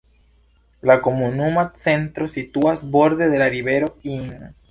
La komunuma centro situas borde de la rivero Inn.